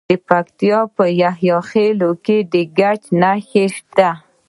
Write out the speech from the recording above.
د پکتیکا په یحیی خیل کې د ګچ نښې شته.